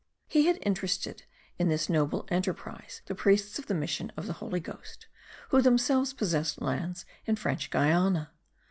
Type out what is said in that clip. He had interested in this noble enterprise the priests of the Mission of the Holy Ghost, who themselves possessed lands in French Guiana.